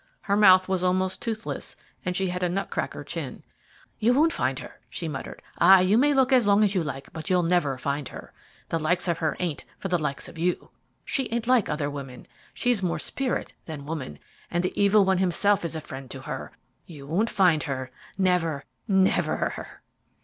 Her mouth was almost toothless, and she had a nutcracker chin. "You won't find her," she muttered. "Ah, you may look as long as you like, but you'll never find her. The likes of her ain't for the likes of you. She ain't like other women. She's more spirit than woman, and the Evil One himself is a friend to her. You won't find her, never, never!"